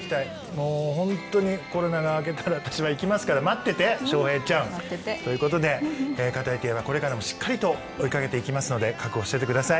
もう本当にコロナが明けたら私は行きますから待ってて翔平ちゃん。ということで「語り亭」はこれからもしっかりと追いかけていきますので覚悟しててください。